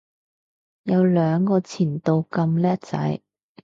有兩個前度咁叻仔